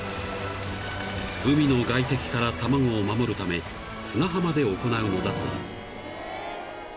［海の外敵から卵を守るため砂浜で行うのだという］